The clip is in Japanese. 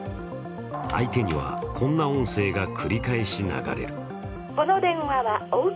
相手にはこんな音声が繰り返し流れる。